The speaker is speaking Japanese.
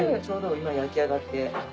ちょうど今焼き上がって。